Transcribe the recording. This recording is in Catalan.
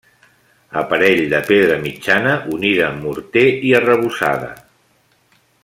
Aparell de pedra mitjana unida amb morter i arrebossada.